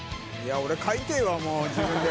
俺買いてぇわもう自分で。